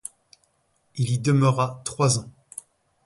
Il y demeura trois ans.